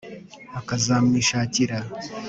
akazamwishakira